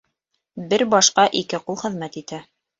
Бер башҡа ике ҡул хеҙмәт итә.